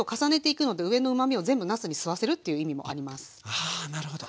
あなるほど。